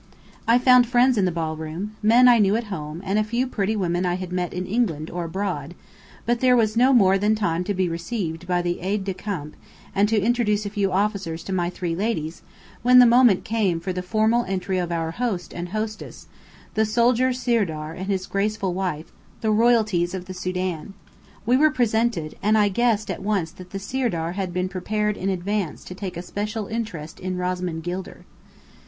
I found friends in the ballroom: men I knew at home, and a few pretty women I had met in England or abroad: but there was no more than time to be received by the Aide de Camp, and to introduce a few officers to my three ladies, when the moment came for the formal entry of our host and hostess, the soldier Sirdar and his graceful wife, the Royalties of the Sudan. We were presented: and I guessed at once that the Sirdar had been prepared in advance to take a special interest in Rosamond Gilder.